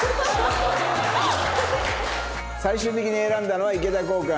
最終的に選んだのは池田航君。